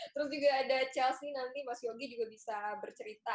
terus juga ada chelsea nanti mas yogi juga bisa bercerita